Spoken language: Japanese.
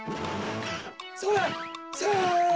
それっせの！